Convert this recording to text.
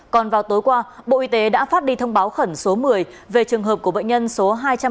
còn vào tối qua bộ y tế đã phát đi thông báo khẩn số một mươi về trường hợp của bệnh nhân số hai trăm ba mươi